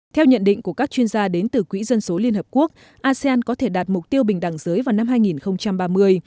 theo nhận định của các chuyên gia đến từ quỹ dân số liên hợp quốc asean có thể đạt mục tiêu bình đẳng giới vào năm hai nghìn ba mươi